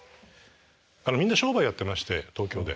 みんな商売やってまして東京で。